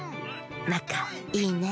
なかいいね。